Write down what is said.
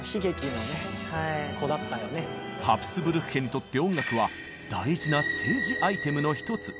ハプスブルク家にとって音楽は大事な政治アイテムの一つ。